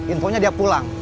infonya dia pulang